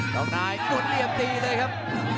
ร้องนายกุ้นเหลี่ยมตีเลยครับ